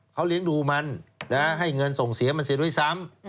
เขาเลี้ยงดูมันให้เงินส่งเสียมันเสียด้วยซ้ำ